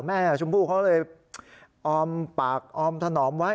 ชมพู่เขาเลยออมปากออมถนอมไว้